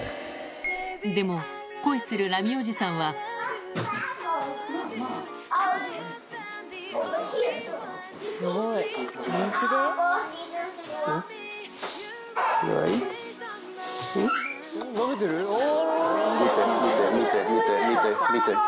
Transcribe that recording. でも恋するラミおじさんはなめてる？